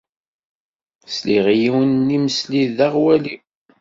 Sliɣ i yiwen n yimesli d aɣwali.